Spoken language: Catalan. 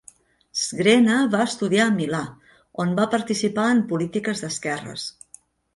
Sgrena va estudiar a Milà, on va participar en polítiques d'esquerres.